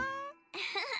ウフフッ。